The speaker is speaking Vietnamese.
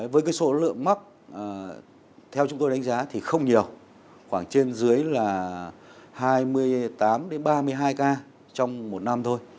với số lượng mắc theo chúng tôi đánh giá thì không nhiều khoảng trên dưới là hai mươi tám ba mươi hai ca trong một năm thôi